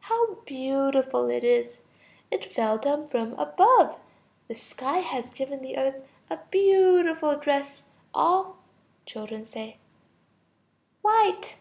How beautiful it is! It fell down from above. The sky has given the earth a beautiful dress, all ... Children. White.